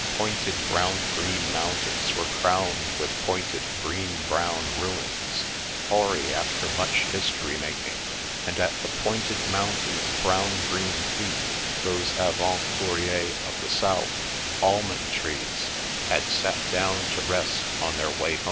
Pointed brown green mountains were crowned with pointed green brown ruins, hoary after much history making; and at the pointed mountains' brown green feet those avanU courriers of the South, almond trees, had sat down to rest on their way home.